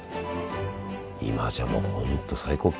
今じゃもう本当最高級。